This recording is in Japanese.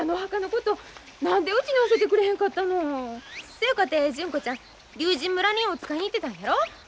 せやかて純子ちゃん竜神村にお使いに行ってたんやろ？